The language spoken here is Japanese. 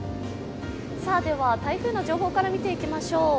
台風の情報から見ていきましょう。